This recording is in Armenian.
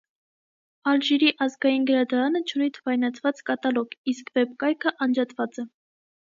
Ալժիրի ազգային գրադարանը չունի թվայնացված կատալոգ, իսկ վեբ կայքը անջատված է։